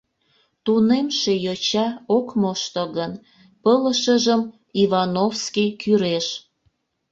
Тунемше йоча ок мошто гын, пылышыжым Ивановский кӱреш.